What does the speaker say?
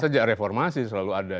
sejak reformasi selalu ada